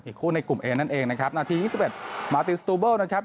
อีกคู่ในกลุ่มเอนนั่นเองนะครับนาทียี่สิบเอ็ดมาร์ติสตูเบิ้ลนะครับ